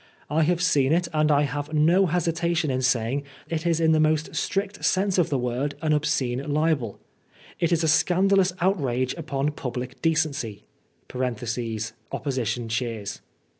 I have seeu it, and I have no hesitation in saying that it is in the most strict sense of the word an obscene libeL It is a scandalous outrage upon public decency. (Opposition cheers.)